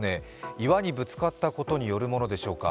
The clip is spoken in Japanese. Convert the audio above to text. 岩にぶつかったことによるものでしょうか。